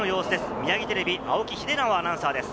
ミヤギテレビ・青木秀尚アナウンサーです。